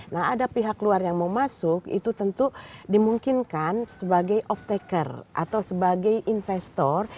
nah ada pihak luar yang mau masuk itu tentu dimungkinkan sebagai off taker atau sebagai investor